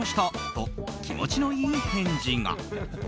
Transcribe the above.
と気持ちのいい返事が。